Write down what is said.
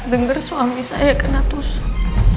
saat denger suami saya kena tusuk